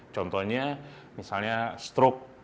contohnya misalnya stroke